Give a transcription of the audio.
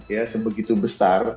ya sebegitu besar